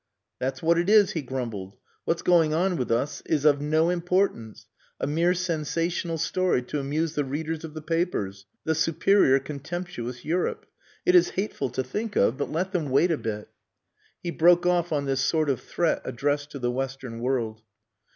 "That's what it is," he grumbled. "What's going on with us is of no importance a mere sensational story to amuse the readers of the papers the superior contemptuous Europe. It is hateful to think of. But let them wait a bit!" He broke off on this sort of threat addressed to the western world.